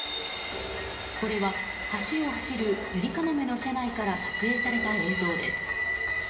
これは橋を走るゆりかもめの車内から撮影された映像です。